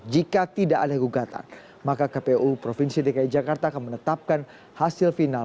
jika tidak ada gugatan maka kpu provinsi dki jakarta akan menetapkan hasil final